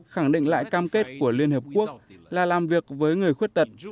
khẳng định lại cam kết của liên hợp quốc là làm việc với người khuyết tật